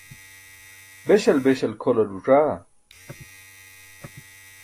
beśal beśal kʰolar ẓuc̣aa?